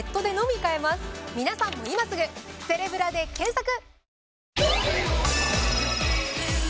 皆さんも今すぐセレブラで検索！